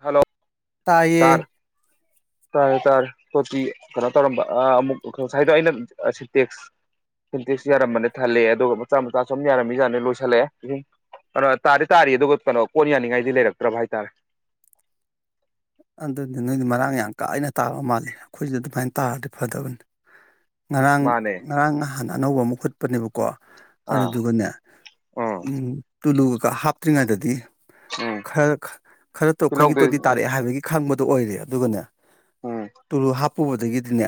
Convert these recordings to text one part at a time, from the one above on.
Hello ꯇꯥꯏꯌꯦ ꯇꯥꯔꯦ ꯇꯥꯔꯦ ꯇꯥꯔꯦ ꯇꯣꯇꯤ ꯀꯩꯅꯣ ꯇꯧꯔꯝꯕ ꯑꯃꯨꯛ ꯉꯁꯥꯏꯗꯣ ꯑꯩꯅ ꯁꯤꯟꯇꯦꯛꯁ ꯁꯤꯟꯇꯦꯛꯁ ꯌꯥꯔꯝꯕꯅꯤ ꯊꯜꯂꯦ ꯑꯗꯨꯒ ꯃꯆꯥ ꯃꯆꯥꯁꯨꯝ ꯌꯥꯔꯝꯃꯤ ꯌꯥꯅꯤ ꯂꯣꯏꯁꯤꯜꯂꯛꯑꯦ ꯑꯗꯨꯨꯝ ꯀꯩꯅ ꯇꯥꯗꯤ ꯇꯥꯔꯤ ꯑꯗꯨꯒ ꯀꯩꯅꯣ ꯀꯣꯟ ꯌꯥꯅꯤꯡꯉꯥꯏꯗꯤ ꯂꯩꯔꯛꯇ꯭ꯔꯕ ꯍꯥꯏꯇꯥꯔꯦ ꯑꯗꯨꯗꯤ ꯅꯣꯏꯗꯤ ꯃꯔꯥꯡ ꯌꯥꯝ ꯀꯥꯏꯅ ꯇꯥꯕ ꯃꯥꯜꯂꯦ ꯑꯩꯈꯣꯏꯁꯤꯗ ꯑꯗꯨꯃꯥꯏꯅ ꯇꯥꯔꯗꯤ ꯐꯗꯕꯅꯤ ꯉꯔꯥꯡ ꯃꯥꯅꯦ ꯉꯔꯥꯡ ꯅꯍꯥꯟ ꯅꯍꯥꯟꯅ ꯑꯅꯧꯕ ꯑꯃꯨꯛ ꯍꯨꯠꯄꯅꯦꯕꯀꯣ ꯑꯥ ꯑꯗꯨꯗꯨꯒꯅꯦ ꯎꯝ ꯇꯨꯂꯨꯒꯀ ꯍꯥꯞꯇ꯭ꯔꯤꯉꯩꯗꯗꯤ ꯎꯝ ꯈꯔ ꯈꯔꯇ ꯁꯤ ꯑꯩꯈꯣꯏꯒꯤ ꯂꯧꯗꯣꯏ ꯇꯣꯇꯤ ꯇꯥꯔꯛꯑꯦ ꯍꯥꯏꯕꯒꯤ ꯈꯪꯕꯗꯣ ꯑꯣꯏꯔꯦ ꯑꯗꯨꯒꯅꯦ ꯎꯝ ꯇꯨꯔꯨꯍꯥꯞ ꯄꯨꯕꯗꯒꯤꯗꯤꯅꯦ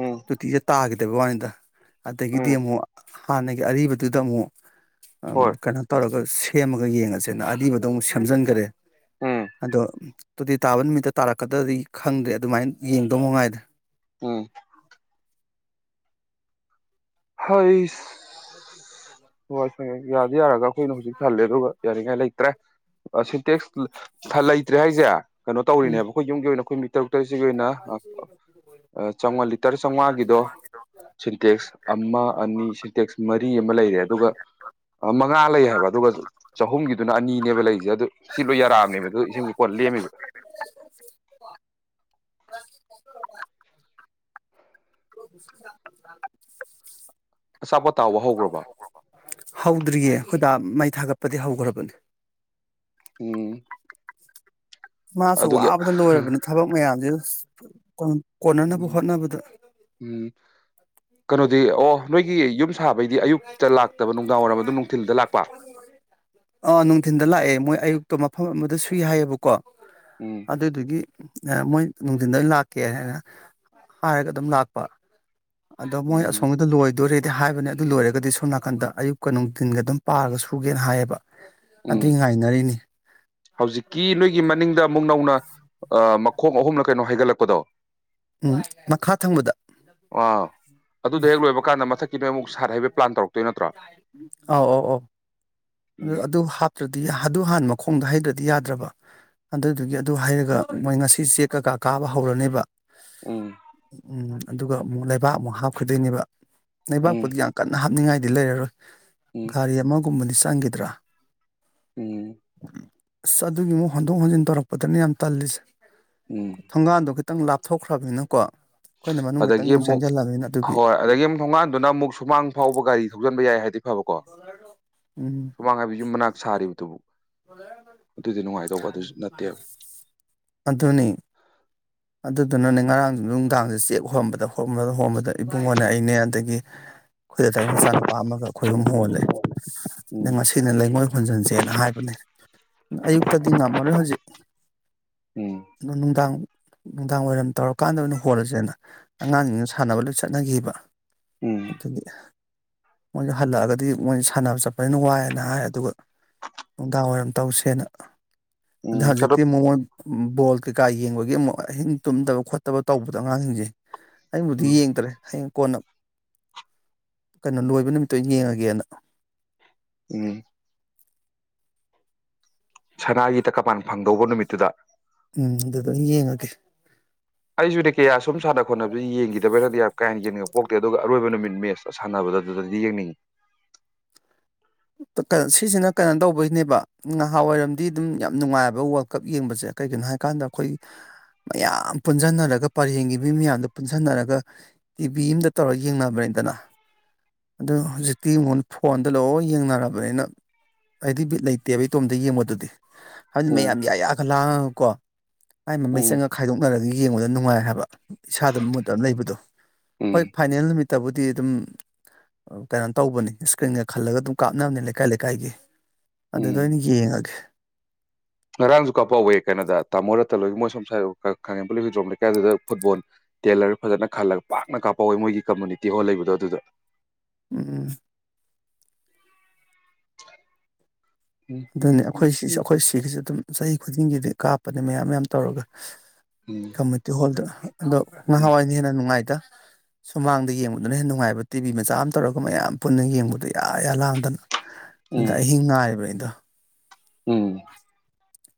ꯎꯝ ꯇꯣꯇꯤꯁꯦ ꯇꯥꯈꯤꯗꯕ ꯋꯥꯅꯤꯗ ꯎꯝ ꯑꯗꯒꯤꯗꯤ ꯑꯃꯨꯛ ꯍꯥꯟꯅꯒꯤ ꯑꯔꯤꯕꯗꯨꯗ ꯑꯃꯨꯛ ꯎꯝ ꯍꯣꯏ ꯀꯩꯅꯣ ꯇꯧꯔꯒ ꯁꯦꯝꯃꯒ ꯌꯦꯡꯉꯁꯦꯅ ꯑꯔꯤꯕꯗꯣ ꯑꯃꯨꯛ ꯁꯦꯝꯖꯤꯟꯈ꯭ꯔꯦ ꯎꯝ ꯑꯗꯣ ꯇꯨꯗꯤ ꯇꯥꯕ ꯅꯨꯃꯤꯠꯇ ꯇꯥꯔꯛꯀꯗ꯭ꯔꯗꯤ ꯈꯪꯗ꯭ꯔꯦ ꯑꯗꯨꯃꯥꯏꯅ ꯌꯦꯡꯗꯧ ꯃꯉꯥꯏꯔꯦ ꯎꯝ ꯍꯥꯏꯁ ꯑ [unintelligible] ꯍꯣꯏ ꯍꯣꯏ ꯌꯥꯗꯤ ꯌꯥꯔꯒ ꯑꯩꯈꯣꯏꯅ ꯍꯧꯖꯤꯛ ꯊꯜꯂꯦ ꯑꯗꯨꯒ ꯌꯥꯅꯤꯡꯉꯥꯏ ꯂꯩꯇ꯭ꯔꯦ ꯁꯤꯇꯦꯛꯁ ꯂꯩꯇ꯭ꯔꯦ ꯍꯥꯏꯁꯦ ꯀꯩꯅꯣ ꯎꯝ ꯇꯧꯔꯤꯅꯦꯕ ꯑꯩꯈꯣꯏ ꯌꯨꯝꯒꯤ ꯑꯣꯏꯅ ꯑꯩꯈꯣꯏ ꯇꯔꯨꯛ [unintelligible] ꯒꯤ ꯑꯣꯏꯅ ꯆꯥꯝꯃꯉꯥ ꯂꯤꯇꯔ ꯆꯥꯝꯃꯉꯥꯒꯤꯗꯣ ꯁꯤꯟꯇꯦꯛꯁ ꯑꯃ ꯑꯅꯤ ꯁꯤꯟꯇꯦꯛꯁ ꯃꯔꯤ ꯑꯃ ꯂꯩꯔꯦ ꯑ ꯃꯉꯥ ꯂꯩ ꯍꯥꯏꯕ ꯑꯗꯨꯒ ꯆꯍꯨꯝꯒꯤꯗꯨꯅ ꯑꯅꯤꯅꯦꯕ ꯂꯩꯁꯦ ꯑꯗꯨ ꯁꯤꯂꯣꯏ ꯌꯥꯔꯛ ꯑꯕꯅꯦꯕ ꯑꯗꯨ ꯏꯁꯤꯡ ꯀꯣꯟ ꯂꯦꯝꯃꯤꯕ꯫ [inaudible] [inaudible] [inaudible] [inaudible] [inaudible] ꯑꯆꯥꯄꯣꯠ ꯇꯥꯎꯕ ꯍꯧꯈ꯭ꯔꯕ ꯍꯧꯗ꯭ꯔꯤꯌꯦ ꯑꯩꯈꯣꯏꯗꯥ ꯃꯩ ꯊꯥꯒꯠꯄꯗꯤ ꯍꯧꯈ꯭ꯔꯕꯅꯦ꯫ ꯎꯝ ꯃꯥꯁꯨ ꯑꯗꯨꯒꯤ ꯋꯥꯕꯗ ꯂꯣꯏꯔꯕꯅꯤ ꯊꯕꯛ ꯃꯌꯥꯝꯁꯤꯒ [inaudible] [unintelligible] ꯀꯣꯟꯅꯅꯕ ꯎꯝ ꯍꯣꯠꯅꯕꯗ ꯎꯝ ꯀꯩꯅꯣꯗꯤ ꯑꯣ ꯅꯣꯏꯒꯤ ꯌꯨꯝ ꯁꯥꯕꯩꯗꯤ ꯑꯌꯨꯛꯇ ꯂꯥꯛꯇꯕ ꯅꯨꯡꯗꯥꯡ ꯋꯥꯏꯔꯝ ꯑꯗꯨꯝ ꯅꯨꯡꯊꯤꯜꯗ ꯂꯥꯛꯄ ꯑꯥ ꯅꯨꯡꯊꯤꯟꯗ ꯂꯥꯛꯑꯦ ꯃꯣꯏ ꯑꯌꯨꯛꯇꯣ ꯃꯐꯝ ꯑꯃꯗ ꯁꯨꯏ ꯍꯥꯏꯌꯦꯕꯀꯣ ꯎꯝ ꯑꯗꯨꯗꯨꯒꯤ ꯃꯣꯏ ꯅꯨꯡꯊꯤꯟꯗ ꯑꯣꯏꯅ ꯂꯥꯛꯀꯦꯅ ꯍꯥꯏꯔꯒ ꯑꯗꯨꯝ ꯂꯥꯛꯄ꯫ ꯑꯗꯣ ꯃꯣꯏ ꯎꯝ ꯑꯁꯣꯝꯒꯤꯗ ꯂꯣꯏꯗꯣꯔꯦ ꯗꯤ ꯍꯥꯏꯕꯅꯦ ꯑꯗꯨ ꯂꯣꯏꯔꯒꯗꯤ ꯁꯣꯝ ꯅꯥꯀꯟꯗ ꯑꯌꯨꯛꯀ ꯅꯨꯡꯊꯤꯟꯒ ꯑꯗꯨꯝ ꯄꯥꯔꯒ ꯁꯨꯒꯦꯅ ꯍꯥꯏꯌꯦꯕ꯫ ꯎꯝ ꯑꯗꯨꯏ ꯉꯥꯏꯅꯔꯤꯅꯤ ꯍꯧꯖꯤꯛꯀꯤ ꯅꯣꯏꯒꯤ ꯃꯅꯤꯡꯗ ꯑꯃꯨꯛ ꯅꯧꯅ ꯑꯥ ꯃꯈꯣꯡ ꯑꯍꯨꯝꯂ ꯀꯩꯅꯣ ꯍꯩꯒꯠꯂꯛꯄꯗꯣ ꯎꯝ ꯃꯈꯥ ꯊꯪꯕꯗ꯫ ꯑꯥ ꯑꯗꯨꯗꯣ ꯍꯦꯛ ꯂꯣꯏꯕ ꯀꯥꯟꯗ ꯃꯊꯛꯀꯤ ꯅꯣꯏ ꯑꯃꯨꯛ ꯁꯥꯠ ꯍꯩꯕꯩ ꯄ꯭ꯂꯥꯟ ꯇꯧꯔꯛꯇꯣꯏ ꯅꯠꯇ꯭ꯔꯣ ꯑꯧ ꯑꯧ ꯑꯗꯨ ꯎꯝ ꯑꯗꯨ ꯍꯥꯞ [unintelligible] ꯗꯤ ꯑꯗꯨ ꯍꯥꯟ ꯃꯈꯣꯡꯗ ꯍꯩꯗ꯭ꯔꯗꯤ ꯌꯥꯗ꯭ꯔꯕ ꯑꯗꯨꯗꯨꯒꯤ ꯑꯗꯨ ꯍꯩꯔꯒ ꯃꯣꯏ ꯉꯁꯤ ꯆꯦꯛ ꯀꯩꯀꯥ ꯀꯥꯕ ꯍꯧꯔꯅꯤꯕ꯫ ꯎꯝ ꯑꯗꯨꯒ ꯑꯃꯨꯛ ꯂꯩꯕꯥꯛ ꯑꯃꯨꯛ ꯍꯥꯞꯈꯤꯗꯣꯏꯅꯦꯕ ꯎꯝ ꯂꯩꯕꯥꯛꯄꯨꯗꯤ ꯌꯥꯝ ꯀꯟꯅ ꯍꯥꯞꯅꯤꯡꯉꯥꯏ ꯗꯤꯜ ꯂꯩꯔꯔꯣꯏ ꯎꯝ ꯀꯔꯤ ꯑꯃꯨꯛ ꯍꯨꯝꯕꯅꯤ ꯁ ꯅꯪꯒꯤꯗ꯭ꯔꯣ ꯎꯝ ꯑꯁ ꯑꯗꯨꯒꯤ ꯑꯃꯨꯛ ꯍꯟꯗꯣꯛ ꯍꯣꯟꯖꯤꯟ ꯇꯧꯔꯛꯄꯗꯅꯦ ꯌꯥꯝ ꯇꯜꯂꯤꯁꯦ ꯎꯝ ꯊꯪꯒꯥꯥꯟꯗ ꯈꯤꯇꯪ ꯂꯥꯞꯊꯣꯛꯈ꯭ꯔꯕꯅꯤꯅꯀꯣ ꯑꯩꯈꯣꯏꯅ ꯃꯅꯨꯡ ꯈꯤꯇꯪ ꯑꯗꯒꯤ ꯑꯃꯨꯛ ꯆꯪꯁꯤꯜꯂꯕꯅꯤꯅ ꯑꯗꯨꯒꯤ ꯍꯣꯏ ꯑꯗꯒꯤ ꯑꯃꯨꯛ ꯊꯣꯡꯉꯥꯟꯗꯨꯅ ꯑꯃꯨꯛ ꯁꯨꯃꯥꯡ ꯐꯥꯎꯕ ꯒꯥꯔꯤ ꯊꯧꯖꯤꯟꯕ ꯌꯥꯏ ꯍꯥꯏꯗꯤ ꯐꯕꯀꯣ ꯁꯨꯃꯥꯡ ꯍꯥꯏꯕ ꯌꯨꯝ ꯃꯅꯥꯛ ꯁꯥꯔꯤꯕꯗꯨꯕꯨ ꯑꯗꯨꯗꯤ ꯅꯨꯡꯉꯥꯏꯗꯧꯕ ꯑꯗꯨꯁꯨ ꯑꯟꯏꯟꯇꯦꯜꯂꯤꯖꯦꯕꯜ ꯅꯠꯇꯦꯕ ꯑꯗꯨꯅꯤ ꯑꯗꯨꯗꯨꯅꯅꯦ ꯉꯔꯥꯡ ꯅꯨꯡꯗꯥꯡ ꯆꯦꯛ ꯍꯣꯟꯕꯗ ꯍꯣꯟꯕꯗ ꯍꯣꯟꯕꯗ ꯏꯕꯨꯡꯉꯣꯅꯦ ꯑꯩꯅꯦ ꯑꯗꯒꯤ ꯑꯩꯈꯣꯏ ꯗꯗꯥꯏ ꯃꯆꯥꯅꯨꯄꯥ ꯑꯃꯒ ꯑꯩꯈꯣꯏ ꯑꯍꯨꯝ ꯍꯣꯜꯂꯦ ꯅꯪ ꯎꯝ ꯉꯁꯤꯅ ꯂꯩꯉꯣꯏ ꯍꯣꯟꯟꯖꯟꯁꯦꯅ ꯍꯥꯏꯕ ꯕꯅꯦ ꯅ ꯑꯌꯨꯛꯇꯗꯤ ꯉꯝꯃꯔꯣꯏ ꯍꯧꯖꯤꯛ ꯎꯝ ꯗꯣ ꯅꯨꯡꯗꯥꯡ ꯅꯨꯡꯗꯥꯡ ꯋꯥꯏꯔꯝ ꯇꯧꯔꯀꯥꯟꯗ ꯑꯣꯏꯅ ꯍꯣꯜꯂꯁꯦꯅ ꯑꯉꯥꯡꯁꯤꯡꯅ ꯁꯥꯟꯅꯕ ꯂꯣꯏ ꯆꯠꯅꯈꯤꯕ ꯎꯝ ꯑꯗꯨꯒꯤ ꯃꯣꯏꯁꯨ ꯍꯜꯂꯛꯑꯒꯗꯤ ꯃꯣꯏꯅ ꯁꯥꯟꯅꯕ ꯆꯠꯄꯅꯤꯅ ꯋꯥꯏꯌꯦꯅ ꯍꯥꯏ ꯑꯗꯨꯒ ꯅꯨꯡꯗꯥꯡ ꯋꯥꯏꯔꯝ ꯇꯧꯁꯦꯅ ꯑꯗꯣ ꯍꯧꯖꯤꯛ ꯇꯤ ꯑꯃꯨꯛ ꯃꯣꯏ ꯕꯣꯜ ꯀꯩꯀꯥ ꯌꯦꯡꯕꯒꯤ ꯗꯩ ꯑꯃꯨꯛ ꯑꯍꯤꯡ ꯇꯨꯝꯗꯕ ꯈꯣꯠꯇꯕ ꯇꯧꯕꯗꯣ ꯑꯉꯥꯡꯁꯤꯡꯁꯦ ꯑꯩꯕꯨꯗꯤ ꯎꯝ ꯌꯦꯡꯗ꯭ꯔꯦ ꯍꯌꯦꯡ ꯀꯣꯟꯅ ꯀꯩꯅꯣ ꯂꯣꯏꯕ ꯅꯨꯃꯤꯠꯇ ꯑꯣꯏꯅ ꯌꯦꯡꯉꯒꯦꯅ ꯎꯝ ꯁꯅꯥꯒꯤꯗ ꯇꯀꯄꯥꯟ ꯐꯪꯗꯧꯕ ꯅꯨꯃꯤꯠꯇꯨꯗ ꯎꯝ ꯑꯗꯨꯗ ꯌꯦꯡꯉꯒꯦ ꯑꯩꯁꯨꯅꯤ ꯀꯌꯥ ꯁꯨꯝ ꯁꯥꯟꯅ ꯈꯣꯠꯅꯕꯁꯤ ꯌꯦꯡꯈꯤꯗꯕꯩꯔꯗꯤ ꯀꯥ ꯍꯦꯟꯅ ꯌꯦꯡꯅꯤꯡꯕ ꯄꯣꯛꯇꯦ ꯑꯗꯨꯒ ꯑꯔꯣꯏꯕ ꯅꯨꯃꯤꯠ ꯃꯦꯁꯇꯣ ꯁꯥꯟꯅꯕꯗ ꯑꯗꯨꯗꯗꯤ ꯌꯦꯡꯅꯤꯡꯉꯤ ꯁꯤꯁꯤꯅ ꯀꯩꯅꯣ ꯇꯧꯕꯩꯅꯦꯕ ꯅꯍꯥꯟꯋꯥꯏꯔꯝꯗꯤ ꯑꯗꯨꯝ ꯌꯥꯝ ꯅꯨꯡꯉꯥꯏꯕ ꯋꯥꯔꯜ ꯀꯞ ꯌꯦꯡꯕꯁꯦ ꯀꯩꯒꯤꯅꯣ ꯍꯥꯏꯕꯀꯥꯟꯗ ꯑꯩꯈꯣꯏ ꯃꯌꯥꯝ ꯄꯨꯟꯖꯟꯅꯔꯒ ꯄꯔꯦꯡꯒꯤ ꯃꯤ ꯃꯌꯥꯝꯗ ꯄꯨꯟꯖꯟꯅꯔꯒ ꯇꯤꯚꯤ ꯃꯝꯗ ꯇꯧꯔꯒ ꯌꯦꯡꯅꯕꯅꯤꯗꯅ ꯑꯗꯨ ꯍꯧꯖꯤꯛꯇꯤ ꯌꯦꯡꯉꯨ ꯐꯣꯟꯗ ꯂꯣꯏ ꯌꯦꯡꯅꯕꯔ ꯐꯕꯅꯤꯅ ꯑꯩꯗꯤ ꯕꯤꯠ ꯂꯩ ꯇꯦꯕ ꯏꯇꯣꯝꯇ ꯌꯦꯡꯕꯗꯨꯗꯤ ꯑꯍꯟ ꯎꯝ ꯃꯌꯥꯝ ꯌꯥꯏꯌꯥꯒ ꯂꯥꯡꯉꯒ ꯀꯣ ꯃꯥꯏ ꯃꯃꯩ ꯎꯝ ꯆꯪꯉꯒ ꯈꯥꯏꯗꯣꯛꯅꯔꯒ ꯌꯦꯡꯕꯗ ꯅꯨꯡꯉꯥꯏ ꯍꯥꯏꯕ ꯏꯁꯥꯗ ꯃꯨꯠꯇ ꯑꯃ ꯂꯩꯕꯗꯣ ꯎꯝ ꯍꯣꯏ ꯐꯥꯏꯅꯦꯜ ꯅꯨꯃꯤ ꯇꯕꯨꯗꯤ ꯑꯗꯨꯝ ꯀꯩꯅꯣ ꯇꯧꯕꯅꯤ ꯏꯁꯀ꯭ꯔꯤꯟꯒ ꯈꯜꯂꯒ ꯑꯗꯨꯝ ꯀꯥꯞꯅꯕꯅꯦ ꯂꯩꯀꯥꯏ ꯂꯩꯀꯥꯏꯒꯤ ꯑꯗꯨꯗ ꯎꯝ ꯑ ꯑꯣꯏꯅ ꯌꯦꯡꯉꯒꯦ ꯉꯔꯥꯡꯁꯨ ꯀꯥꯄꯍꯎꯋꯦ ꯀꯩꯅꯣꯗ ꯇꯥꯃꯣꯣꯔꯠꯇꯂꯣꯏ ꯃꯣꯏ ꯁꯝ ꯁ ꯈꯥꯉꯦꯝ ꯄꯨꯂꯤꯁ ꯍꯤꯗ꯭ꯔꯣꯝ ꯂꯩꯀꯥꯏꯗꯨꯗ ꯐꯨꯠꯕꯣꯜ ꯇꯦꯂꯔ ꯐꯖꯅ ꯈꯜꯂꯒ ꯄꯥꯛꯅ ꯀꯥꯞꯄꯍꯋꯦ ꯃꯣꯏꯒꯤ ꯀꯝꯃꯨꯅꯤꯇꯤ ꯍꯣꯜ ꯂꯩꯕꯗꯣ ꯑꯗꯨꯗ ꯎꯝ ꯎꯝ ꯎꯝ ꯑꯗꯨꯅꯤ ꯑꯩꯈꯣꯏ ꯁꯤꯁꯨ ꯑꯩꯈꯣꯏ ꯁꯤꯒꯤꯁꯨ ꯑꯗꯨꯝ ꯆꯍꯤ ꯈꯨꯗꯤꯡꯒꯤꯗꯤ ꯀꯥꯞꯄꯅꯦ ꯃꯌꯥꯝ ꯃꯌꯥꯝ ꯇꯧꯔꯒ ꯎꯝ ꯀꯃꯠꯇꯤ ꯍꯣꯜꯗ꯭ꯔ ꯑꯗꯣ ꯅꯍꯥꯟꯋꯥꯏꯅ ꯍꯦꯟꯅ ꯅꯨꯡꯉꯥꯏꯇ ꯁꯨꯃꯥꯡꯗ ꯌꯦꯡꯕꯗꯨꯅ ꯍꯦꯟꯅ ꯅꯨꯡꯉꯥꯏꯕ ꯇꯤꯚꯤ ꯃꯆꯥ ꯑꯃ ꯇꯧꯔꯒ ꯃꯌꯥꯝ ꯄꯨꯟꯅ ꯌꯦꯡꯕꯗ ꯌꯥꯌꯥ ꯂꯥꯡꯗꯅ ꯑꯗꯨꯗ ꯑꯍꯤꯡ ꯉꯥꯏꯕꯩꯗꯣ ꯎꯝ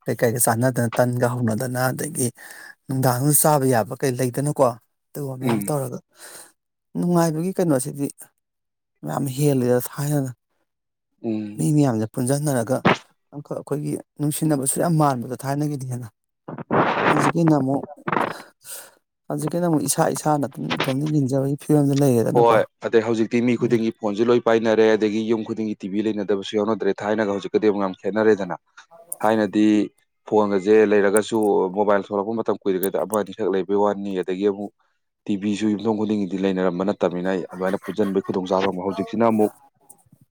ꯀꯩꯀꯩꯒ ꯆꯥꯟꯅꯗꯅ ꯇꯟꯒ ꯍꯧꯅꯗꯅ ꯑꯗꯒꯤ ꯅꯨꯡꯗꯥꯡ ꯆꯥꯕ ꯌꯥꯕ ꯀꯩ ꯂꯩꯗꯅꯀꯣ ꯑꯗꯨꯒꯨꯝꯕ ꯃꯌꯥꯝ ꯎꯝ ꯇꯧꯔꯒ ꯅꯨꯡꯉꯥꯏꯕꯒꯤ ꯀꯩꯅꯣꯁꯤꯗꯤ ꯃꯌꯥꯝ ꯍꯦꯜꯂꯤꯗ ꯊꯥꯏꯅꯅ ꯎꯝ ꯅ ꯃꯤ ꯑꯖ ꯄꯨꯟꯁꯤꯟꯅꯔꯒ ꯑꯃꯈꯛ ꯑꯩꯈꯣꯏꯒꯤ ꯅꯨꯡꯁꯤꯅꯕꯁꯨ ꯌꯥꯝ ꯃꯥꯟꯕꯗꯣ ꯊꯥꯏꯅꯒꯤꯅꯤꯅ ꯍꯧꯖꯤꯛꯀꯤꯅ ꯑꯃꯨꯛ ꯍꯧꯖꯤꯛꯀꯤꯅ ꯑꯃꯨꯛ ꯏꯁꯥ ꯏꯁꯥꯅ ꯑꯗꯨꯝ ꯏꯇꯣꯝꯇ ꯌꯦꯟꯖꯕꯒꯤ ꯍꯣꯏ ꯑꯗꯩ ꯍꯧꯖꯤꯛꯇꯤ ꯃꯤ ꯎꯝ ꯈꯨꯗꯤꯡꯒꯤ ꯐꯣꯟꯁꯨ ꯂꯣꯏ ꯄꯥꯏꯅꯔꯦ ꯑꯗꯒꯤ ꯌꯨꯝ ꯈꯨꯗꯤꯡꯒꯤ ꯇꯤꯚ ꯂꯩꯅꯔꯦ ꯌꯣꯟꯅꯗ꯭ꯔꯦ ꯊꯥꯏꯅꯒ ꯍꯧꯖꯤꯛ ꯀꯗꯤꯛ ꯌꯥꯝ ꯈꯦꯠꯅꯔꯦꯗꯅ ꯊꯥꯏꯅꯗꯤ ꯐꯣꯟꯒꯁꯦ ꯂꯩꯔꯒꯁꯨ ꯃꯣꯕꯥꯏꯜ ꯊꯣꯛꯂꯛꯄ ꯃꯇꯝ ꯀꯨꯏꯗꯒꯩꯗ ꯑꯃ ꯑꯅꯤꯈꯛ ꯂꯩꯕꯒꯤ ꯋꯥꯅꯤ ꯑꯗꯒꯤ ꯑꯃꯨꯛ ꯇꯤꯚꯤꯁꯨ ꯌꯨꯝꯊꯣꯡ ꯈꯨꯗꯤꯡꯒꯤꯗꯤ ꯂꯩꯅꯔꯝꯕ ꯅꯠꯇ ꯆꯠꯇꯃꯤꯅ ꯑꯩ ꯑꯗꯨꯃꯥꯏꯅ ꯄꯨꯟꯕꯒꯤ ꯈꯨꯗꯣꯡꯆꯥꯕ ꯍꯧꯖꯤꯛꯁꯤꯅ ꯑꯃꯨꯛ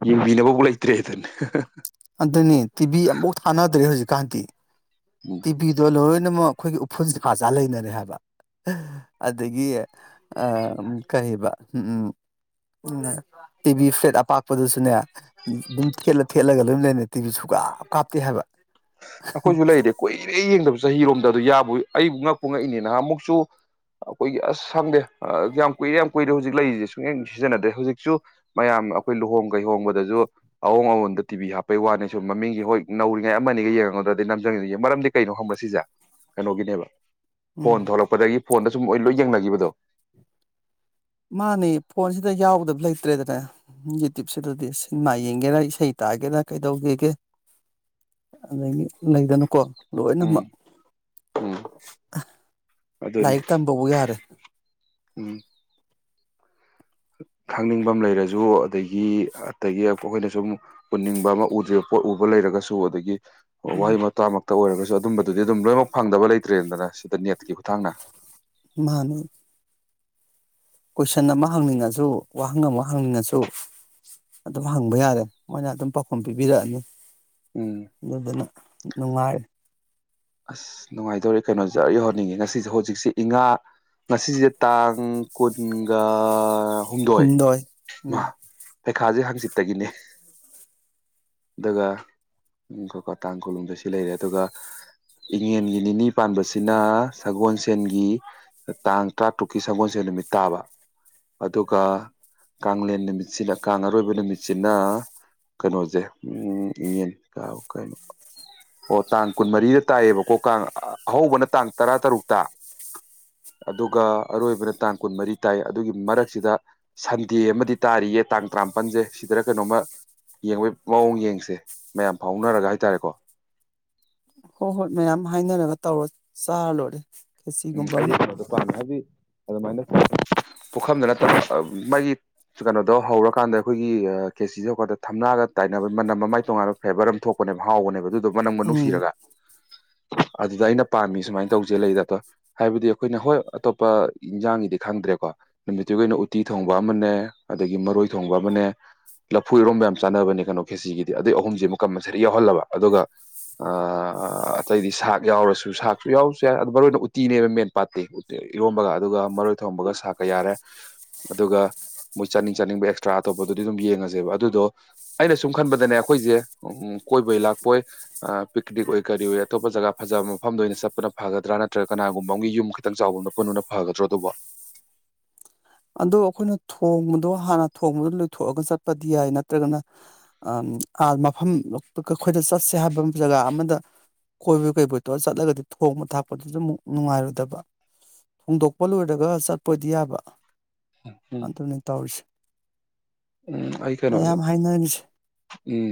ꯌꯦꯡꯕꯤꯅꯕꯕꯨ ꯂꯩꯇꯦ ꯇ꯭ꯔꯦꯗꯟ ꯑꯗꯨꯅꯤ ꯇꯤꯚꯤ ꯑꯃꯐꯥꯎ ꯊꯥꯅꯗ꯭ꯔꯦ ꯍꯧꯖꯤꯛ ꯀꯥꯟꯇ ꯎꯝ ꯇꯤꯕꯤꯗꯣꯜ ꯍꯣꯏ ꯑꯅꯃꯛ ꯑꯩꯈꯣꯏꯒꯤ ꯎꯐꯨꯜꯁꯤꯦ ꯀꯥꯖꯥ ꯂꯩꯅꯔꯦ ꯍꯥꯏꯕ ꯑꯗꯒꯤ ꯀꯔꯤꯕ ꯎ ꯎꯝ ꯎ ꯇꯤꯚꯤ ꯐ꯭ꯂꯦꯠ ꯑꯄꯥꯛꯄꯗꯨꯁꯨꯅꯦ ꯑꯗꯨꯝ ꯊꯦꯠꯂ ꯊꯦꯠꯂꯒ ꯂꯣꯏ ꯂꯩꯅꯔꯦ ꯇꯤꯚꯤ ꯁꯨꯀꯥꯞ ꯀꯥꯞꯇꯦ ꯍꯥꯏꯕ ꯑꯈꯣꯏꯁꯨꯨꯂꯥꯏ ꯔꯦꯀꯣꯏ ꯏꯔꯦ ꯌꯦꯡꯗꯕ ꯆꯍꯤꯔꯣꯝꯗ ꯑꯗꯨ ꯌꯥꯕꯨ ꯑꯩ ꯉꯛꯄꯨ ꯉꯛꯏꯅꯤ ꯅꯍꯥꯟ ꯑꯃꯨꯛꯁꯨ ꯑꯩꯈꯣꯏꯒꯤ ꯑꯁ ꯁꯪꯗꯦ ꯌꯥꯝ ꯀꯨꯏꯔꯦ ꯌꯥꯝ ꯀꯨꯏꯔꯦ ꯍꯧꯖꯤꯛ ꯂꯩꯔꯤꯁꯦ ꯁꯨꯡꯛꯌꯦꯡ ꯁꯤꯖꯤꯟꯅꯗ꯭ꯔꯦ ꯍꯧꯖꯤꯛꯁꯨ ꯃꯌꯥꯝ ꯑꯩꯈꯣꯏ ꯂꯨꯍꯣꯡ ꯀꯩꯍꯣꯡꯕꯗꯁꯨ ꯑꯍꯣꯡ ꯑꯋꯣꯟꯗ ꯇꯤꯚꯕꯤ ꯍꯥꯞꯄꯩ ꯋꯥꯅꯤ ꯁꯨꯝ ꯃꯃꯤꯡꯁꯦ ꯍꯣꯏ ꯅꯧꯔꯤꯉꯩ ꯑꯃꯅꯤꯅꯤꯒ ꯌꯦꯡꯉꯒꯗ꯭ꯔꯗꯤ ꯅꯝꯖꯪꯉꯤꯗꯨ ꯃꯔꯝꯗꯤ ꯀꯩꯅꯣ ꯍꯪꯕꯁꯤꯁꯦ ꯀꯩꯅꯣꯒꯤꯅꯦꯕ ꯐꯣꯟ ꯎꯝ ꯊꯣꯛꯂꯛꯄꯗꯒꯤ ꯐꯣꯟꯗ ꯁꯨꯝ ꯂꯣꯏ ꯌꯦꯡꯅꯈꯤꯕꯗꯣ ꯃꯥꯅꯦ ꯐꯣꯟꯁꯤꯗ ꯌꯥꯎꯗꯕ ꯂꯩꯇ꯭ꯔꯦꯗꯅ ꯌꯨꯇ꯭ꯌꯨꯨꯞꯁꯤꯗꯗꯤ ꯁꯤꯅꯦꯃꯥ ꯌꯦꯡꯒꯦꯔ ꯏꯁꯩ ꯇꯥꯒꯦꯔꯥ ꯀꯩꯗꯧꯒꯦꯒꯦ ꯑꯗꯒꯤ ꯂꯩꯗꯅꯨꯀꯣ ꯂꯣꯏꯅꯃꯛ ꯎꯝ ꯎꯝ ꯑ ꯑꯗꯨꯅꯤ ꯂꯥꯏꯔꯤꯛ ꯇꯝꯕꯕꯨ ꯌꯥꯔꯦ ꯎꯝ ꯈꯪꯅꯤꯡꯕ ꯂꯩꯔꯁꯨ ꯑꯗꯒꯤ ꯑꯗꯒꯤ ꯑꯩꯈꯣꯏꯅ ꯁꯨꯝ ꯎꯟꯅꯤꯡꯕ ꯑꯃ ꯎꯗ꯭ꯦ ꯄꯣꯠ ꯎꯕ ꯂꯩꯔꯒꯁꯨ ꯑꯗꯒꯤ ꯑꯣ ꯋꯥꯏ ꯎꯝ ꯃ ꯇ ꯈꯛꯇ ꯑꯣꯏꯔꯒꯁꯨ ꯑꯗꯨꯝꯕꯗꯨꯗꯤ ꯑꯗꯨꯝ ꯂꯣꯏꯅꯃꯛ ꯐꯪꯗꯕ ꯂꯩꯇ꯭ꯔꯦꯗꯅ ꯁꯤꯗ ꯅꯦꯠꯀꯤ ꯈꯨꯠꯊꯥꯡꯅ ꯃꯥꯅꯦ ꯀꯣꯏꯁꯟ ꯑꯃ ꯍꯪꯅꯤꯡꯉꯁꯨ ꯋꯥꯍꯪ ꯑꯃ ꯍꯪꯅꯤꯡꯉꯁꯨ ꯑꯗꯨꯝ ꯍꯪꯕ ꯌꯥꯔꯦ ꯃꯣꯏꯅ ꯑꯗꯨꯝ ꯄꯥꯎꯈꯨꯝ ꯄꯤꯕꯤꯔꯛꯑꯅꯤ ꯎꯝ ꯑꯗꯨꯗꯨꯅ ꯅꯨꯡꯉꯥꯏꯔꯦ ꯑꯁ ꯅꯨꯡꯉꯥꯏꯗꯧꯔꯤ ꯀꯩꯅꯣꯖ ꯌꯧꯍꯅꯤꯡꯉꯤ ꯉꯁꯤꯁꯦ ꯍꯧꯖꯤꯛꯁꯦ ꯏꯉꯥ ꯉꯁꯤꯁꯤꯗ ꯇꯥꯡ ꯀꯨꯟꯒ ꯍꯨꯝꯗꯣꯏ ꯁꯨꯗꯔ ꯃꯥ ꯎꯝ ꯄꯩꯈꯥꯁꯦ ꯍꯥꯡꯆꯤꯠꯇꯒꯤꯅꯦ ꯑꯗꯨꯒ ꯎꯝ ꯀꯣ ꯀꯣ ꯇꯥꯡ ꯀꯣꯂꯨꯝꯗ ꯁꯤ ꯂꯩꯔꯦ ꯑꯗꯨꯒ ꯏꯉꯦꯟꯒꯤ ꯅꯤꯅꯤ ꯄꯥꯟꯕꯁꯤꯅ ꯁꯒꯣꯜꯁꯦꯟꯒꯤ ꯇꯥꯡ ꯇꯔꯥꯇꯔꯨꯛꯀꯤ ꯁꯒꯣꯜꯁꯦꯟ ꯅꯨꯃꯤꯠ ꯇꯥꯕ ꯑꯗꯨꯒ ꯀꯂꯦꯟ ꯅꯨꯃꯤꯠꯁꯤꯅ ꯀꯥꯡ ꯑꯔꯣꯏꯕ ꯅꯨꯃꯤꯠꯁꯤꯅ ꯀꯩꯅꯣꯁꯦ ꯎꯝ ꯏꯉꯟ ꯀꯩꯅꯣ ꯑꯣ ꯇꯥꯡ ꯀꯨꯟꯃꯔꯤꯗ ꯇꯥꯏꯌꯦꯕꯀꯣ ꯀꯥꯡ ꯑꯍꯧꯕꯅ ꯇꯥꯡ ꯇꯔꯥ ꯇꯔꯨꯛꯇ ꯑꯗꯨꯒ ꯑꯔꯣꯏꯕꯅ ꯇꯥꯡ ꯀꯨꯟꯃꯔꯤ ꯇꯥꯏ ꯑꯗꯨꯒꯤ ꯃꯔꯛꯁꯤꯗ ꯁꯟꯗꯦ ꯑꯃꯗꯤ ꯇꯥꯔꯤꯌꯦ ꯇꯥꯡ ꯇꯔꯥꯃꯥꯄꯜꯁꯦ ꯁꯤꯗꯔ ꯀꯩꯅꯣꯝꯃ ꯌꯦꯡꯕꯩ ꯃꯑꯣꯡ ꯌꯦꯡꯁꯦ ꯃꯌꯥꯝ ꯐꯥꯎꯅꯔꯒ ꯍꯥꯏꯇꯥꯔꯦꯀꯣ ꯍꯣꯏ ꯍꯣꯏ ꯃꯌꯥꯝ ꯍꯥꯏꯅꯔꯒ ꯇꯧꯔ ꯆꯥꯔ ꯂꯣꯏꯔꯦ ꯎꯝ ꯈꯦꯆꯤꯒꯨꯝꯕ ꯑꯩꯗꯤ ꯑꯃ ꯀꯩꯅꯣꯗꯣ ꯄꯥꯝꯃꯦ ꯍꯥꯏꯕꯗꯤ ꯑꯗꯨꯃꯥꯏꯅ ꯄꯨꯈꯝꯗ ꯅꯠꯇꯕ ꯃꯥꯒꯤ ꯀꯩꯅꯣꯗꯣ ꯍꯧꯔꯀꯥꯟꯗ ꯑꯩꯈꯣꯏꯒꯤ ꯀꯦ ꯁꯤꯁꯨ ꯍꯧꯗ ꯊꯝꯅꯥꯒ ꯇꯥꯏ ꯅ ꯃꯃꯥꯏ ꯇꯣꯉꯥꯟꯕ ꯐꯦꯕꯔ ꯑꯃ ꯊꯣꯛ ꯥꯎꯕꯅꯦꯕ ꯑꯗꯨ ꯃꯅꯪꯒ ꯎꯝ ꯅꯨꯡꯁꯤꯔꯒ ꯑꯗꯨꯗ ꯑꯩꯅ ꯄꯥꯝꯃꯤ ꯁꯨꯃꯥꯏꯅ ꯇꯧꯖꯦ ꯂꯩꯗ ꯑꯗ ꯍꯥꯏꯕꯗꯤ ꯑꯩꯈꯣꯏꯅ ꯍꯣꯏ ꯑꯇꯣꯞꯄ ꯏꯟꯖꯥꯡꯒꯤꯗꯤ ꯈꯪꯗ꯭ꯔꯦꯀꯣ ꯅꯨꯃꯤꯠꯇꯨꯒꯤ ꯑꯣꯏꯅ ꯎꯇꯤ ꯊꯣꯡꯕ ꯑꯃꯅꯦ ꯑꯗꯒꯤ ꯃꯔꯣꯏ ꯊꯣꯡꯕ ꯑꯃꯅꯦ ꯂꯐꯨꯔꯣꯝ ꯌꯥꯝ ꯆꯥꯅꯕꯅꯦ ꯀꯩꯅꯣ ꯈꯦꯁꯤꯒꯤꯗꯤ ꯑꯗꯨꯏ ꯑꯍꯨꯝꯁꯤ ꯃ ꯀ ꯃꯁꯗ ꯌꯥꯎꯍꯜꯂꯕ ꯑꯗꯨꯒ ꯑꯇꯩꯗꯤ ꯁꯥꯛ ꯌꯥꯎꯔꯁꯨ ꯁꯥꯛꯁꯨ ꯌꯥꯎꯔꯁꯨ ꯌꯥꯏ ꯑ ꯃꯔꯨ ꯑꯣꯏꯅ ꯇꯤꯅꯦꯕ ꯃꯦꯟ ꯄꯥꯠꯇꯤ ꯏꯔꯣꯝꯕꯒ ꯑꯗꯨꯒ ꯃꯔꯣꯏ ꯊꯣꯡꯕꯒ ꯁꯥꯀ ꯌꯥꯔꯦ ꯑꯗꯨꯒ ꯃꯣꯏ ꯆꯥꯅꯤꯡ ꯆꯥꯅꯤꯡꯕ ꯑꯦꯛꯁꯇ꯭ꯔꯥ ꯑꯇꯣꯞꯄꯗꯨꯗꯤ ꯑꯗꯨꯝ ꯌꯦꯡꯉꯁꯦꯕ ꯑꯗꯨꯗꯣ ꯑꯩꯅ ꯁꯨꯝ ꯈꯟꯕꯗꯅꯦ ꯑꯩꯈꯣꯏꯁꯦ ꯎ ꯀꯣꯏꯕꯣꯏ ꯂꯥꯛꯄꯣꯏ ꯄꯤꯛꯅꯤꯛ ꯑꯣꯏ ꯀꯔꯤ ꯑꯣꯏ ꯑꯇꯣꯞꯄ ꯖꯒꯥ ꯐꯖꯕ ꯃꯐꯝꯗ ꯑꯣꯏꯅ ꯆꯠꯄꯅ ꯐꯒꯗ꯭ꯔꯥꯅꯠꯇ ꯅꯠꯇ꯭ꯔ ꯀꯅꯥꯒꯨꯝꯕ ꯑꯃꯒꯤꯒꯤ ꯌꯨꯝ ꯈꯤꯇꯪ ꯆꯥꯎꯕ ꯃ ꯄꯨꯟꯅ ꯐꯒꯗ꯭ꯔꯣ ꯑꯗꯨꯕꯨ ꯑꯗꯣ ꯑꯩꯈꯣꯏꯅ ꯊꯣꯡꯕꯗꯣ ꯍꯥꯟꯅ ꯊꯣꯡꯕꯗꯣ ꯂꯣꯏꯊꯣꯛꯑꯒ ꯆꯠꯄꯗꯤ ꯌꯥꯏ ꯅꯠꯇ꯭ꯔꯒꯅ ꯃꯐꯝ ꯑꯩꯈꯣꯏꯗ ꯆꯠꯁꯦ ꯍꯥꯏꯕ ꯖꯒꯥ ꯑꯃꯗ ꯀꯣꯏꯕ ꯀꯩꯕꯨꯣꯏ ꯇꯣ ꯆꯠꯂꯒꯗꯤ ꯊꯣꯡꯕ ꯊꯥꯛꯄꯗꯨꯁꯨ ꯑꯃꯨꯛ ꯅꯨꯡꯉꯥꯏꯔꯣꯏꯗꯕ ꯊꯣꯡꯗꯣꯛꯄ ꯂꯣꯏꯔꯒ ꯆꯠꯄꯗꯤ ꯌꯥꯕ ꯎꯝ ꯑꯇꯔꯅꯤ ꯇ ꯑꯣꯏꯁ ꯎꯝ ꯑꯩ ꯀꯩꯅꯣꯁꯦ ꯍꯥꯏꯅꯔꯤꯁꯦ ꯎꯝ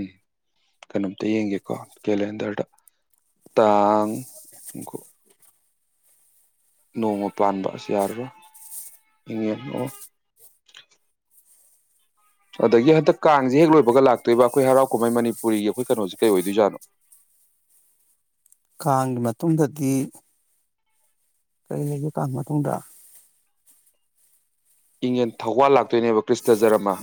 ꯀꯩꯅꯣꯝꯇ ꯌꯦꯡꯒꯦ ꯀꯗ ꯇꯥꯡ ꯎꯀ ꯅꯣꯡꯃ ꯄꯥꯟꯕ ꯑꯁꯤ ꯌꯥꯔꯔꯣꯏ ꯌꯦꯉꯟꯑꯣ ꯑꯗꯒꯤ ꯍꯟꯗꯛ ꯀꯥꯡꯁꯦ ꯍꯦꯛ ꯂꯣꯏꯕꯒ ꯂꯥꯛꯇꯣꯏꯕ ꯑꯩꯈꯣꯏ ꯍꯔꯥꯎ ꯀꯨꯝꯍꯩ ꯃꯅꯤꯄꯨꯔꯤꯒꯤ ꯑꯩꯈꯣꯏ ꯀꯩꯅꯣꯁꯦ ꯀꯩ ꯑꯣꯏꯗꯣꯏꯖꯥꯠꯅꯣ ꯀꯥꯡꯒꯤ ꯃꯇꯨꯡꯗꯗꯤ ꯀꯔꯤ ꯂꯩꯒꯦ ꯀꯥ ꯃꯇꯨꯡꯗ ꯏꯪꯟ ꯊꯧꯋꯥꯜ ꯂꯥꯛ ꯇꯣꯏꯅꯦꯕ ꯀ꯭ꯔꯤꯁꯇ ꯖꯔꯃꯥ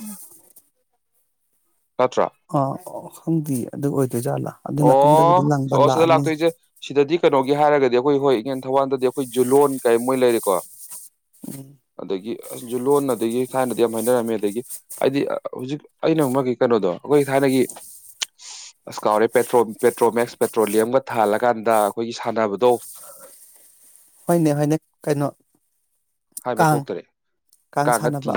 ꯑꯥ ꯈꯪꯗꯦ ꯑꯗꯨ ꯑꯣꯏꯗꯣꯏꯖꯥꯠꯂꯥ ꯑꯗꯨꯏ ꯃꯇꯨꯡꯗꯒꯤꯗꯤ ꯑꯣ ꯂꯪꯕ ꯑꯣ ꯁꯤꯗ ꯂꯥꯛꯑꯅꯤ ꯂꯥꯛꯇꯣꯏꯁꯦ ꯁꯤꯗꯗꯤ ꯀꯩꯅꯣꯒꯤ ꯍꯥꯏꯔꯒꯗꯤ ꯑꯩꯈꯣꯏ ꯍꯣꯏ ꯏꯟ ꯊꯧꯕꯥꯜꯗꯗꯤ ꯑꯩꯈꯣꯏ ꯖꯨꯂꯣꯟ ꯀꯩ ꯃꯣꯏ ꯂꯩꯔꯦꯀꯣ ꯎꯝ ꯑꯗꯒꯤ ꯁꯨ ꯂꯣꯟꯅ ꯑꯗꯒꯤ ꯊꯥꯏꯅꯗꯤ ꯌꯥꯝ ꯍꯥꯏꯅꯔꯝꯃꯦ ꯑꯗꯒꯤ ꯑꯩꯗꯤ ꯍꯧꯖꯤꯛ ꯑꯩꯅ ꯑꯃꯛꯒꯤ ꯀꯩꯅꯣꯗꯣ ꯑꯩꯈꯣꯏ ꯊꯥꯏꯅꯒꯤ ꯑꯁ ꯀꯥꯎꯔꯦ ꯄꯦꯇ꯭ꯔꯣꯃꯦꯛꯁ ꯄꯦꯇ꯭ꯔꯣꯂꯤꯌꯝꯒ ꯊꯥꯜꯂꯀꯥꯟꯗ ꯑꯩꯈꯣꯏꯒꯤ ꯁꯥꯟꯅꯕꯗꯣ ꯍꯅꯦ ꯍꯅꯦ ꯀꯩꯅꯣ ꯍꯥꯏꯕ ꯀꯥꯡ ꯊꯣꯛꯇꯔꯦ ꯀꯥꯡ ꯀꯥꯉꯠꯇꯤ ꯁꯥꯟꯅꯕ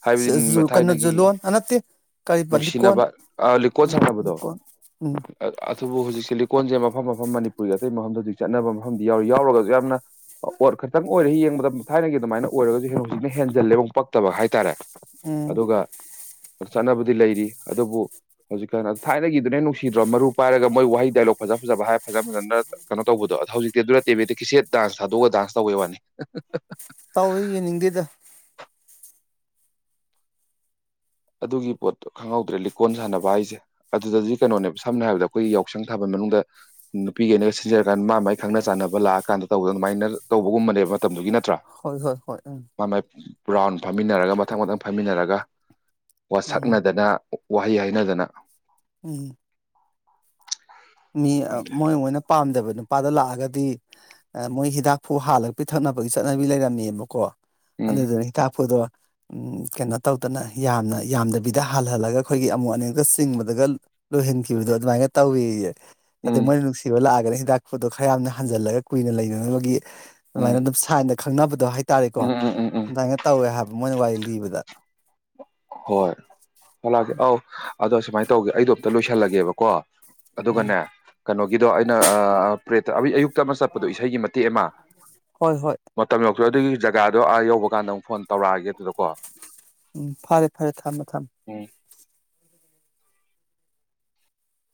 ꯍꯥꯏꯕꯗꯤ ꯀꯩꯅꯣ ꯊꯥꯏꯅꯒꯤ ꯖꯨꯂꯣꯟ ꯑ ꯅꯠꯇꯦ ꯀꯔꯤꯕ ꯂꯤꯀꯣꯟ ꯅꯨꯡꯁꯤꯅꯕ ꯂꯤꯀꯣꯟ ꯎꯝ ꯁꯪꯅꯕꯗꯣ ꯂꯤꯀꯣꯟ ꯎꯝ ꯑꯗꯨꯕꯨ ꯍꯧꯖꯤꯛꯁꯦ ꯀꯣꯟꯁꯦ ꯃꯐꯝ ꯃꯐꯝ ꯃꯅꯤꯄꯨꯔꯒꯤ ꯑꯇꯩ ꯃꯐꯝꯗ ꯍꯧꯖꯤꯛ ꯆꯠꯅꯕ ꯃꯐꯝꯗꯤ ꯌꯥꯎꯔꯤ ꯌꯥꯎꯔꯒꯁꯨ ꯌꯥꯝꯅ ꯑꯣꯔ ꯈꯔꯇꯪ ꯑꯣꯏꯔꯔꯤꯌꯦ ꯃ ꯊꯥꯏꯅꯒꯤ ꯑꯗꯨꯃꯥꯏꯅ ꯑꯣꯏꯔꯒꯁꯨ ꯍ ꯍꯧꯖꯤꯛꯅ ꯍꯦꯟꯖꯜꯂꯦꯕꯨ ꯄꯛꯇꯕ ꯍꯥꯏꯇꯥꯔꯦ ꯎꯝ ꯑꯗꯨꯒ ꯆꯠꯅꯕꯗꯤ ꯂꯩꯔꯤ ꯑꯗꯨꯕꯨ ꯍꯧꯖꯤꯛꯀꯥꯟꯅ ꯊꯥꯏꯅꯒꯤꯗꯨꯅꯦ ꯅꯨꯡꯁꯤꯗ꯭ꯔꯣ ꯃꯔꯨ ꯄꯥꯏꯔꯒ ꯃꯣꯏ ꯋꯥꯍꯩ ꯗꯥꯏꯂꯣꯛ ꯐꯖ ꯐꯖꯕ ꯍꯥꯏꯔ ꯐꯖ ꯐꯖꯅ ꯀꯩꯅꯣ ꯇꯧꯕꯗꯣ ꯑꯗ ꯍꯧꯖꯤꯛꯇꯤ ꯑꯗꯨꯅ ꯇꯦꯕꯤꯗ ꯀꯤꯁꯦꯠ ꯗꯥꯟꯁ ꯊꯥꯗꯣꯛꯑꯒ ꯗꯥꯟꯁ ꯇꯧꯦ ꯋꯥꯅꯤ ꯇꯧꯋꯦ ꯌꯦꯡꯅꯤꯡꯗꯦꯗ ꯑꯗꯨꯒꯤ ꯄꯣꯠꯇꯣ ꯈꯪꯍꯧꯗ꯭ꯔꯦ ꯂꯤꯛꯀꯣꯟ ꯁꯥꯟꯅꯕ ꯍꯥꯏꯁꯦ ꯑꯗꯨꯗꯗꯤ ꯀꯩꯅꯣꯅꯦꯕ ꯁꯝꯅ ꯍꯥꯏꯔꯕꯗ ꯑꯩꯈꯣꯏ ꯌꯥꯎꯁꯪ ꯊꯥꯕ ꯃꯅꯨꯡꯗ ꯅꯨꯄꯤꯒꯩꯅꯒ ꯁꯤꯟꯖꯔꯀꯥꯟꯗ ꯃꯥ ꯃꯥꯏ ꯈꯪꯅ ꯆꯥꯟꯅꯕ ꯂꯥꯛꯑꯀꯥꯟꯗ ꯇꯧꯕꯗ ꯑꯗꯨꯃꯥꯏꯅ ꯇꯧꯕꯒꯨꯝꯕꯅꯦꯕ ꯃꯇꯝꯗꯨꯒꯤ ꯅꯠꯇ ꯍꯣꯏ ꯍꯣꯏ ꯍꯣꯏ ꯎꯝ ꯔꯥꯎꯟ ꯐꯝꯃꯤꯟꯅꯔꯒ ꯃꯊꯪ ꯃꯊꯪ ꯐꯝꯃꯤꯟꯅꯔꯒ ꯎꯝ ꯋꯥꯁꯛꯅꯗꯅ ꯋꯥꯍꯩ ꯍꯥꯏꯅꯗꯅ ꯎꯝ ꯃꯤ ꯃꯣꯏ ꯃꯣꯏꯅ ꯄꯥꯝꯗꯕꯅ ꯃꯄꯥꯗ ꯂꯥꯛꯑꯒꯗꯤ ꯃꯣꯏ ꯍꯤꯗꯥꯛꯐꯨ ꯍꯥꯜꯂꯒ ꯄꯤꯊꯛꯅꯕꯒꯤ ꯆꯠꯅꯕꯤ ꯂꯩꯔꯝꯃꯦꯕꯀꯣ ꯎꯝ ꯑꯗꯨꯗꯨꯅꯤ ꯇꯥꯛꯄꯗꯣ ꯀꯩꯅꯣ ꯇꯧꯗꯅ ꯌꯥꯝꯅ ꯌꯥꯝꯗꯕꯤꯗ ꯍꯜꯍꯜꯂꯒ ꯑꯩꯈꯣꯏꯒꯤ ꯑꯃꯨꯣꯠ ꯑꯅꯀ ꯆꯤꯡꯕꯗꯒ ꯂꯣꯏꯍꯟꯈꯤꯕꯗꯣ ꯑꯗꯨꯃꯥꯏꯅ ꯇꯧꯋ ꯑꯗꯨꯗ ꯎꯝ ꯃꯣꯏꯅꯨꯡꯁꯤꯕꯂꯦ ꯀ ꯍꯤꯗꯥꯛ ꯄꯣꯠꯇꯣ ꯈꯔ ꯌꯥꯝꯅ ꯍꯟꯖꯤꯜꯂꯒ ꯀꯨꯏꯅꯅꯕꯒꯤ ꯎꯝ ꯃꯥꯏꯅ ꯑꯗꯨ ꯁ ꯈꯪꯅꯕꯗꯣ ꯍꯥꯏ ꯍꯥꯏꯇꯥꯥꯔꯦꯀꯣ ꯎꯝ ꯎꯝ ꯎꯝ ꯎꯝ ꯑꯗꯨꯃꯥꯏꯅ ꯇꯧꯋꯦ ꯍꯥꯏꯕ ꯃꯣꯏꯅ ꯋꯥꯔꯤ ꯒꯤꯕꯗ ꯍꯣꯏ ꯍꯒꯦ ꯑ ꯑꯗꯣ ꯁꯨꯃꯥꯏꯅ ꯇꯧꯒꯦ ꯑꯩꯗꯣꯞꯇ ꯂꯣꯏꯁꯜꯂꯒꯦꯕꯀꯣ ꯎꯝ ꯑꯗꯨꯒꯅꯦ ꯀꯩꯅꯣꯒꯤꯗꯣ ꯑꯩꯅ ꯄ꯭ꯔꯦꯠꯇ ꯑꯌꯨꯛ ꯇꯞ ꯑꯃ ꯆꯠꯄꯗꯨꯣ ꯏꯁꯩꯒꯤ ꯃꯇꯦꯛ ꯑꯃ ꯍꯣꯏ ꯍꯣꯏ ꯃꯇꯝ ꯌ ꯑꯗꯨꯒꯤ ꯖꯒꯥꯗꯣ ꯑꯥ ꯌꯧꯕ ꯀꯥꯟꯗ ꯑꯃꯨꯛ ꯐꯣꯟ ꯇꯧꯔꯛꯑꯒꯦ ꯑꯗꯨꯗꯀꯣ ꯎꯝ ꯐꯔꯦ ꯐꯔꯦ ꯊꯝꯃꯦ ꯊꯝꯃꯦ ꯎꯝ